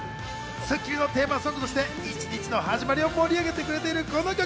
『スッキリ』のテーマソングとして一日の始まりを盛り上げてくれているこの曲。